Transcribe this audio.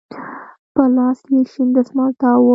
په لاس يې شين دسمال تاو و.